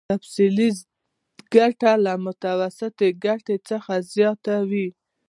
تفضيلي ګټه له متوسطې ګټې څخه زیاته وي